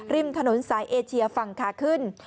ริมถนนสายเอเชียฝั่งขาขึ้น